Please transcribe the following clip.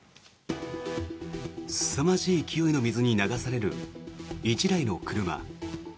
すさまじい勢いの水に流される１台の車。